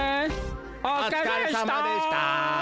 おつかれさまでした。